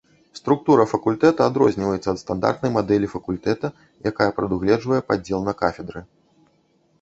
Структура факультэта адрозніваецца ад стандартнай мадэлі факультэта, якая прадугледжвае падзел на кафедры.